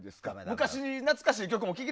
昔懐かしいやつも。